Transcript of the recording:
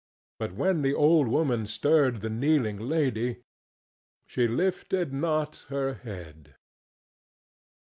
But when the old woman stirred the kneeling lady, she lifted not her head.